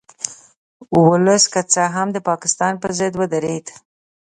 ولس که څه هم د پاکستان په ضد ودرید